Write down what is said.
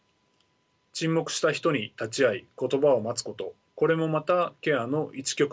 沈黙した人に立ち会い言葉を待つことこれもまたケアの一局面です。